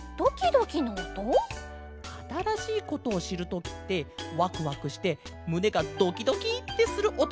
あたらしいことをしるときってワクワクしてむねがドキドキってするおとがきこえるケロ。